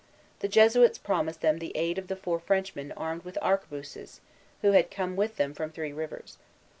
The Jesuits promised them the aid of the four Frenchmen armed with arquebuses, who had come with them from Three Rivers.